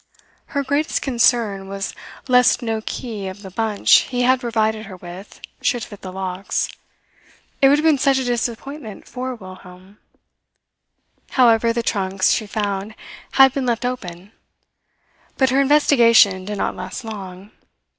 Her greatest concern was lest no key of the bunch he had provided her with should fit the locks. It would have been such a disappointment for Wilhelm. However, the trunks, she found, had been left open; but her investigation did not last long.